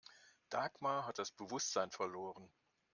Dagmar hat das Bewusstsein verloren.